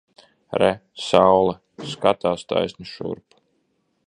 Re! Saule! Skatās taisni šurp!